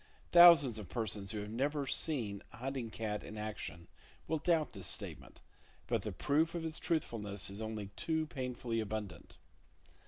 Thousands of persons who never have seen a hunting cat in action will doubt this statement, but the proof of its truthfulness is only too painfully abundant.